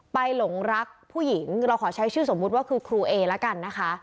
หลงรักผู้หญิงเราขอใช้ชื่อสมมุติว่าคือครูเอละกันนะคะ